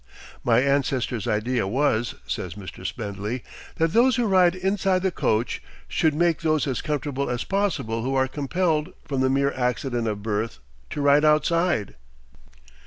"My ancestors' idea was," says Mr. Smedley, "that those who ride inside the coach should make those as comfortable as possible who are compelled, from the mere accident of birth, to ride outside."